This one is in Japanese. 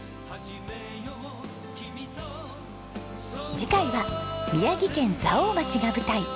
次回は宮城県蔵王町が舞台。